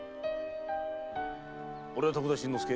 俺は徳田新之助